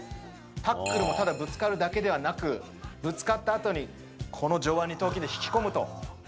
タックルもただぶつかるだけではなく、ぶつかったあとに、この上腕二頭筋で引き込むと。